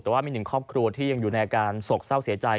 แต่ว่ามีคอบครัวที่ยังอยู่ในการจงสกเศร้าเสียใจ